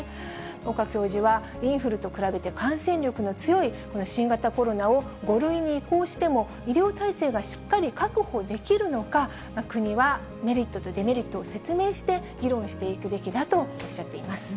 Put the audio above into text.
岡教授は、インフルと比べて感染力の強いこの新型コロナを、５類に移行しても医療体制がしっかり確保できるのか、国はメリットとデメリットを説明して、議論していくべきだとおっしゃっています。